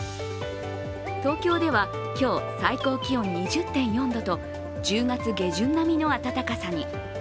東京では今日、最高気温２０．４度と１０月下旬並みの暖かさに。